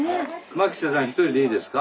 牧瀬さん１人でいいですか？